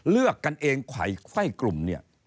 เลือกกันเองไขว้กลุ่มเนี่ย